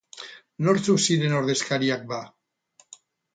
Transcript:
Nortzuk ziren ordezkariak, ba?